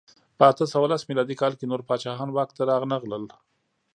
په اته سوه لس میلادي کال کې نور پاچاهان واک ته رانغلل.